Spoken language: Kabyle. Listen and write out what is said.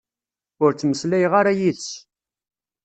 Ur ttmeslayeɣ ara yid-s.